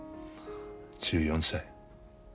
１４歳。